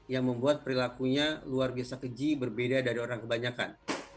yang membuat perilakunya luar biasa keji berbeda dari orang kebanyakan